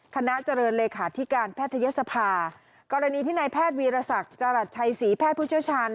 คณะเจริญเลขาธิการแพทยศภากรณีที่นายแพทย์วีรศักดิ์จรัสชัยศรีแพทย์ผู้เชี่ยวชาญ